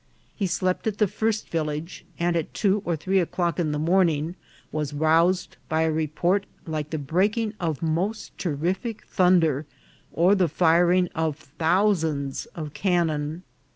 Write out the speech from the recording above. He slept at the first village, and at two or three o'clock in the morning was roused by a report like the breaking of most terrific thunder or the firing of thousands of cannon.